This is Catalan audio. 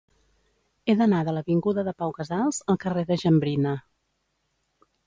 He d'anar de l'avinguda de Pau Casals al carrer de Jambrina.